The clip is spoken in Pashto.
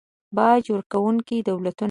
باج ورکونکي دولتونه